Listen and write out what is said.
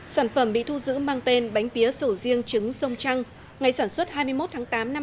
sản phẩm bị thu giữ mang tên bánh pía sầu riêng trứng sông trăng ngày sản xuất hai mươi một tháng tám năm hai nghìn hai mươi